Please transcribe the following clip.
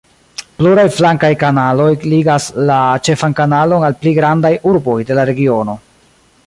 Pluraj flankaj kanaloj ligas la ĉefan kanalon al pli grandaj urboj de la regiono.